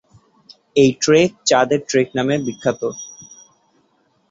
এই trek "Chadar trek" নামে বিখ্যাত।